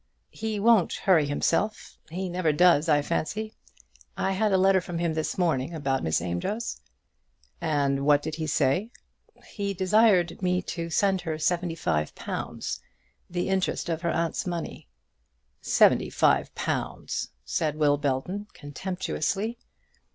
"He won't hurry himself. He never does, I fancy. I had a letter from him this morning about Miss Amedroz." "And what did he say?" "He desired me to send her seventy five pounds, the interest of her aunt's money." "Seventy five pounds!" said Will Belton, contemptuously.